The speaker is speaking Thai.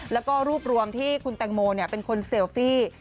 แล้วก็รูปรวมที่คุณแตงโมเป็นคนเซลฟี่